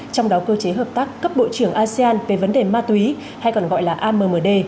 trong đó cơ chế hợp tác cấp bộ trưởng asean về vấn đề ma túy hay còn gọi là ammd